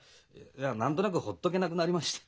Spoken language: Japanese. いや何となくほっとけなくなりまして。